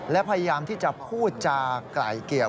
และพยายามที่จะพูดจากไล่เกี่ยว